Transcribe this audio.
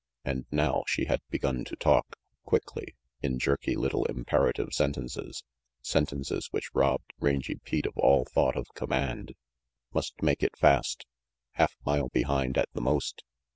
And now she had begun to talk, quickly, in jerky little imper ative sentences, sentences which robbed Rangy Pete of all thought of command. "Must make it fast. Half mile behind at the most.